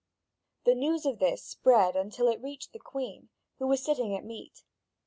The news of this spread until it reached the Queen, who was sitting at meat.